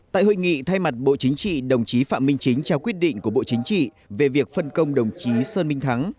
tại hội nghị thay mặt bộ chính trị đồng chí phạm minh chính trao quyết định của bộ chính trị về việc phân công đồng chí sơn minh thắng